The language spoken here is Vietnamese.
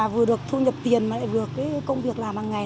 vừa được thu nhập tiền mà lại vượt công việc làm hàng ngày